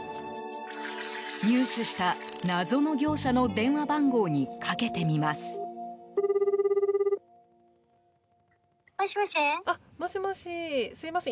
入手した、謎の業者の電話番号にかけてみます。